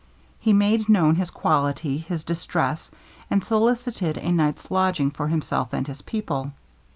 He made known his quality, his distress, and solicited a night's lodging for himself and his people.